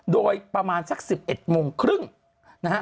โดยประมาณสัก๑๑โมงครึ่งนะฮะ